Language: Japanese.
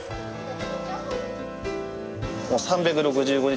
もう３６５日